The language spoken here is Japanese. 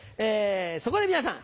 そこで皆さん